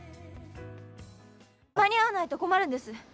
間に合わないと困るんです。